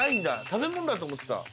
食べ物だと思ってた。